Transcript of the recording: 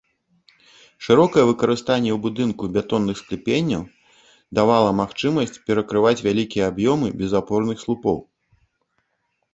Шырокае выкарыстанне ў будынку бетонных скляпенняў давала магчымасць перакрываць вялікія аб'ёмы без апорных слупоў.